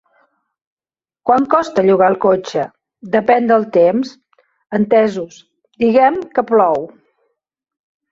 -Quant costa llogar el cotxe? -Depèn del temps. -Entesos, diguem que plou...